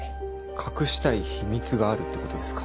隠したい秘密があるってことですか？